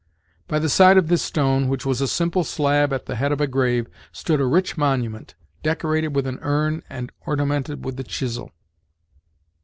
By the side of this stone, which was a simple slab at the head of a grave, stood a rich monument, decorated with an urn and ornamented with the chisel.